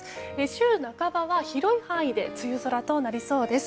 週半ばは広い範囲で梅雨空となりそうです。